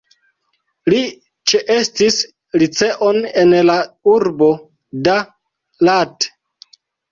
Li ĉeestis liceon en la urbo Da Lat.